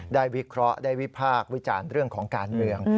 วิเคราะห์ได้วิพากษ์วิจารณ์เรื่องของการเมือง